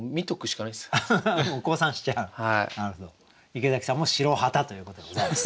池崎さんも白旗ということでございます。